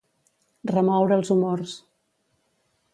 Remoure els humors.